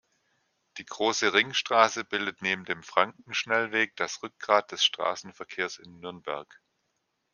Die große Ringstraße bildet neben dem Frankenschnellweg das Rückgrat des Straßenverkehrs in Nürnberg.